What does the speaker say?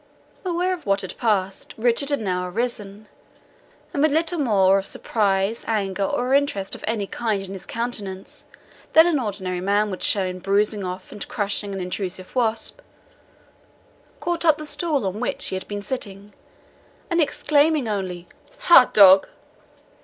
Aware of what had passed, Richard had now arisen, and with little more of surprise, anger, or interest of any kind in his countenance than an ordinary man would show in brushing off and crushing an intrusive wasp, caught up the stool on which he had been sitting, and exclaiming only, "Ha, dog!"